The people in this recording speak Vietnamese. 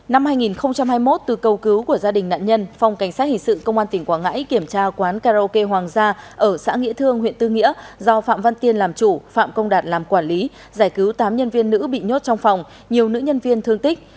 năm hai nghìn hai mươi một từ câu cứu của gia đình nạn nhân phòng cảnh sát hình sự công an tỉnh quảng ngãi kiểm tra quán karaoke hoàng gia ở xã nghĩa thương huyện tư nghĩa do phạm văn tiên làm chủ phạm công đạt làm quản lý giải cứu tám nhân viên nữ bị nhốt trong phòng nhiều nữ nhân viên thương tích